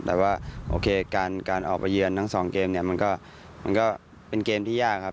แต่ว่าโอเคการออกไปเยือนทั้งสองเกมเนี่ยมันก็เป็นเกมที่ยากครับ